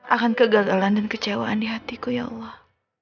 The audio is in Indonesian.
akan kegagalan dan kecewaan di hatiku ya allah